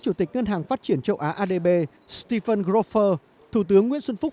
chủ tịch ngân hàng phát triển châu á adb stephen grofer thủ tướng nguyễn xuân phúc